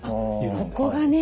ここがね